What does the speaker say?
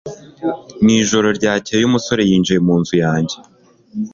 Mu ijoro ryakeye umusore yinjiye mu nzu yanjye